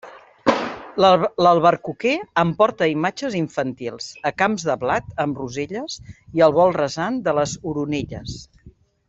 L'albercoquer em porta a imatges infantils, a camps de blat amb roselles i al vol rasant de les oronelles.